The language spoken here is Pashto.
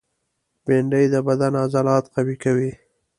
بېنډۍ د بدن عضلات قوي کوي